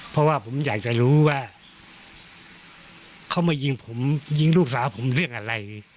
เพราะว่าผมอยากจะรู้ว่าเขามายิงผมยิงลูกสาวผมเรื่องอะไร